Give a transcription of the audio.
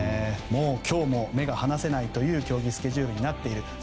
今日も目が離せないという競技スケジュールになっている。